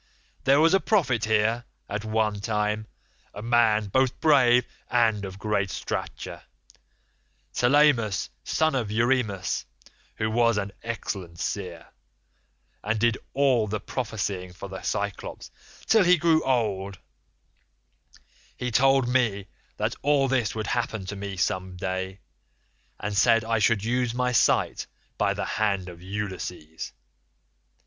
There was a prophet here, at one time, a man both brave and of great stature, Telemus son of Eurymus, who was an excellent seer, and did all the prophesying for the Cyclopes till he grew old; he told me that all this would happen to me some day, and said I should lose my sight by the hand of Ulysses.